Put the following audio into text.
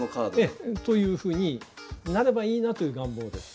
ええ。というふうになればいいなという願望です。